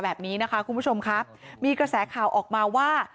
แบบนี้นะคะคุณผู้ชมครับมีกระแสข่าวออกมาว่า